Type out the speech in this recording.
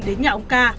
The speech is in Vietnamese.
đến nhà ông ca